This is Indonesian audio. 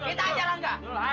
kita gak boleh diam